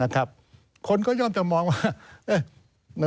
คนก็ย่อมจะมองว่า